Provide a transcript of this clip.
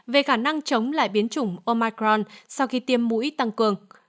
về khả năng chống lại biến chủng